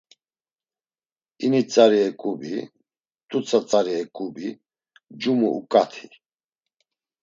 İni tzari eǩubi, t̆utsa tzari eǩubi… Cumu uǩati.